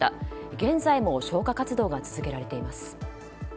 現在も消火活動が続けられています。